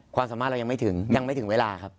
ความสามารถเรายังไม่ถึงยังไม่ถึงเวลาครับ